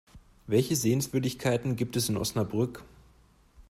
Welche Sehenswürdigkeiten gibt es in Osnabrück?